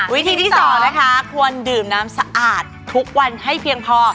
วิธีที่๒นะคะควรดื่มน้ำสะอาดทุกวันให้เพียงพอ